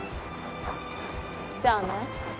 じゃあね。